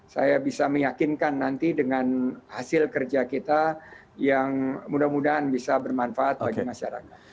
saya bisa meyakinkan nanti dengan hasil kerja kita yang mudah mudahan bisa bermanfaat bagi masyarakat